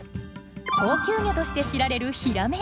高級魚として知られるヒラメ。